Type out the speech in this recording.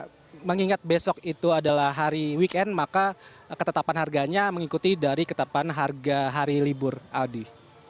karena mengingat besok itu adalah hari weekend maka ketetapan harganya mengikuti dari ketetapan harga hari libur aldi